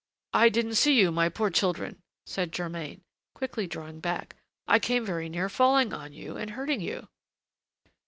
"I didn't see you, my poor children!" said Germain, quickly drawing back. "I came very near falling on you and hurting you."